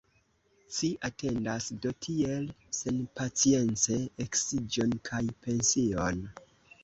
Ci atendas do tiel senpacience eksiĝon kaj pension!